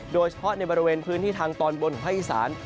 โดยเฉพาะในบริเวณพื้นที่ทางตอนบนของภาคอีสาน